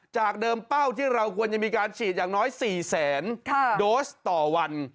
จากเดิมเป้าที่เราควรจะมีการฉีดอย่างน้อย๔แสนโดสต่อวัน